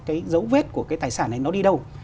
cái dấu vết của cái tài sản này nó đi đâu